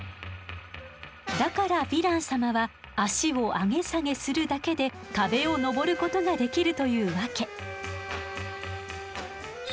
だからヴィラン様は足を上げ下げするだけで壁を登ることができるというわけ。